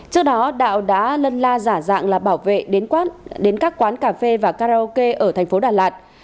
trước đó đạo đã lân la giả dạng là bảo vệ đến các quán cà phê và karaoke ở thành phố đà lạt